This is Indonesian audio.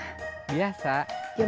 satu sampai satu setengah jam dari sekarang